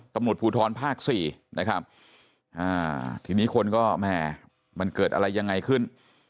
ตำรวจภูทรภาค๔นะครับทีนี้คนก็แหม่มันเกิดอะไรยังไงขึ้น